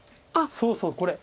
そうそうこれ。